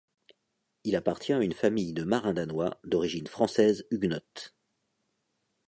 Il appartient à une famille de marins danois d'origine française huguenote.